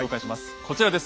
こちらです。